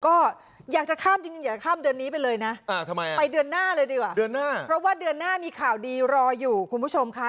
ก็อยากจะข้ามเดือนนี้ไปเลยนะไปเดือนหน้าเลยดีกว่าเพราะว่าเดือนหน้ามีข่าวดีรออยู่คุณผู้ชมค่ะ